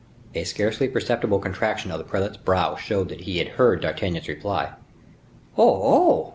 A scarcely perceptible contraction of the prelate's brow showed that he had heard D'Artagnan's reply. "Oh, oh!"